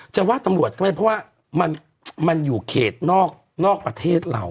จะว่าตำรวจก็ไม่เพราะว่ามันอยู่เขตนอกประเทศเรา